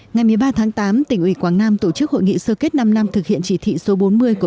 ngày một mươi ba tháng tám tỉnh ủy quảng nam tổ chức hội nghị sơ kết năm năm thực hiện chỉ thị số bốn mươi của